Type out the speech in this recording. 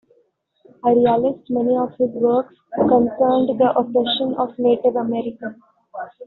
A realist, many of his works concerned the oppression of Native Americans.